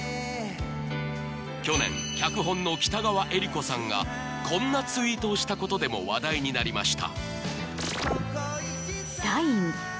去年脚本の北川悦吏子さんがこんなツイートをしたことでも話題になりました